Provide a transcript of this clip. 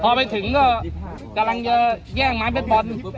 พอไปถึงก็กำลังจะแย่งไม้เบสบอล